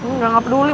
enggak gak peduli